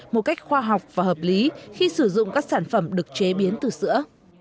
một cách khoa học và hợp lý khi sử dụng các sản phẩm được chế biến từ sữa